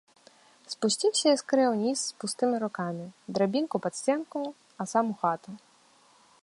Спусціўся я скарэй уніз з пустымі рукамі, драбінку пад сценку, а сам у хату.